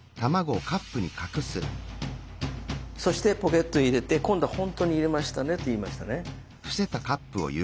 そしてポケットへ入れて「今度は本当に入れましたね」って言いましたね。